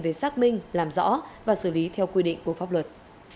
về xác minh làm rõ và xử lý theo quy định của pháp luật